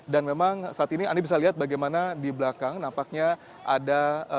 dan memang saat ini anda bisa lihat bagaimana di belakang nampaknya ada